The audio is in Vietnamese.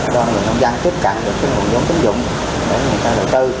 cho người nông dân tiếp cận với nguồn dân tính dụng để người ta đầu tư